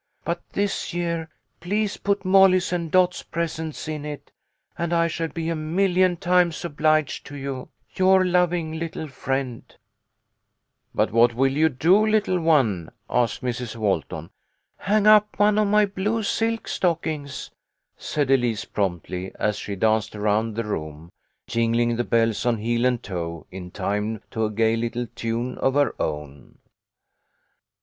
But this year please put Molly's and Dot's presents in it, and I shall be a million times obliged to you. " Your loving little friend, " ELISE WALTON." "But what will you do, little one?" asked Mrs. Walton. " Hang up one of my blue silk stockings," said Elise, promptly, as she danced around the room, jingling the bells on heel and toe in time to a gay little tune of her own.